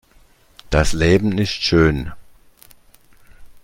Das Leben ist schön!